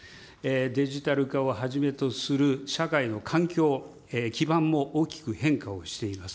デジタル化をはじめとする社会の環境、基盤も大きく変化をしています。